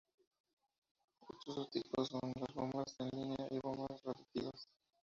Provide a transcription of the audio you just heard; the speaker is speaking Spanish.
Estos dos tipos son: las bombas en línea y las bombas rotativas.